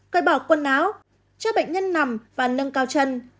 cởi bỏ quần áo cho bệnh nhân nằm và nâng cao chân